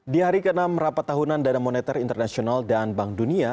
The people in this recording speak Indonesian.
di hari ke enam rapat tahunan dana moneter internasional dan bank dunia